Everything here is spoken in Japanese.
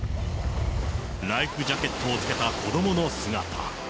ライフジャケットをつけた子どもの姿。